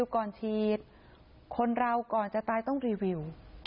คนเราก่อนจะตายต้องรีวิว